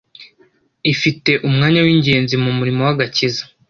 ifite umwanya w’ingenzi mu murimo w’agakiza